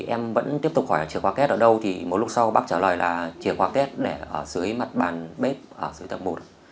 em vẫn tiếp tục hỏi chiều khoa kết ở đâu thì một lúc sau bác trả lời là chiều khoa kết để ở dưới mặt bàn bếp ở dưới tầng một